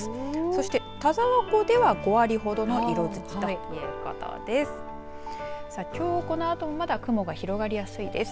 そして、田沢湖では５割ほどの色づきということです。